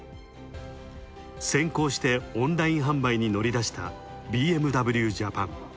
先行してオンライン販売に乗り出したＢＭＷジャパン。